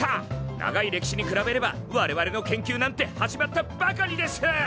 長い歴史に比べれば我々の研究なんて始まったばかりです！